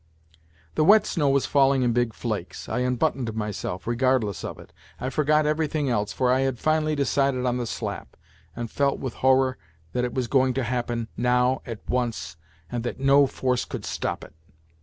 The wet snow was falling in big flakes ; I unbuttoned myself, regardless of it. I forgot everything else, for I had finally decided on the slap, and felt with horror that it was going to happen now, at once, and that no force could stop it.